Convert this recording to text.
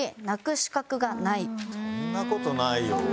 そんな事ない。